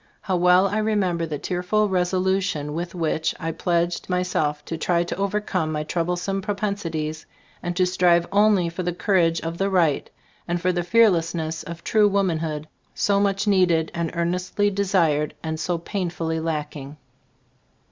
How well I remember the tearful res olution with which I pledged myself to try to overcome my troublesome propensities and to strive only for the courage of the right, and for the fear lessness of true womanhood so much DAVID BARTON. '4 ttbe Store of Ag abfldbooft 125 needed and earnestly desired, and so painfully lacking.